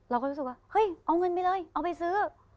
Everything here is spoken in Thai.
เราก็รู้สึกว่าเฮ้ยเอาเงินไปเลยเอาไปซื้อ